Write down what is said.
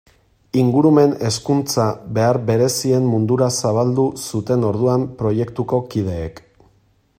Ingurumen hezkuntza behar berezien mundura zabaldu zuten orduan proiektuko kideek.